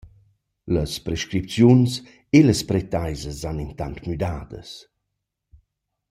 Las prescripziuns e las pretaisas s’han intant müdadas.